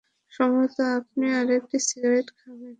সম্ভবত আপনি আরেকটা সিগারেট খাবেন?